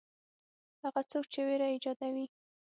هغه څوک چې وېره ایجادوي.